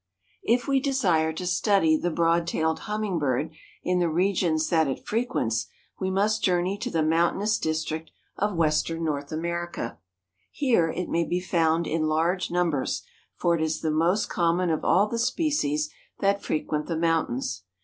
If we desire to study the Broad tailed Hummingbird in the regions that it frequents, we must journey to the mountainous district of Western North America. Here it may be found in large numbers, for it is the most common of all the species that frequent the mountains.